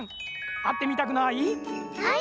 あってみたくない？